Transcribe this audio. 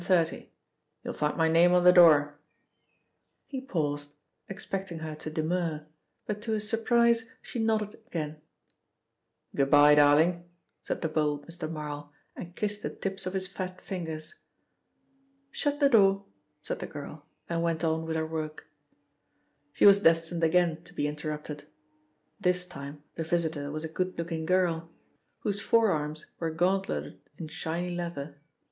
You'll find my name on the door." He paused, expecting her to demur, but to his surprise, she nodded again. "Good bye, darling," said the bold Mr. Marl and kissed the tips of his fat fingers. "Shut the door," said the girl and went on with her work. She was destined again to be interrupted. This time the visitor was a good looking girl, whose forearms were gauntletted in shiny leather.